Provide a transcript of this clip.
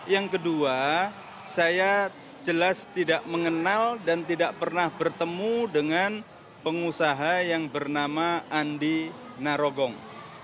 yang kedua saya jelas tidak mengenal dan tidak pernah bertemu dengan pengusaha yang bernama andi narogong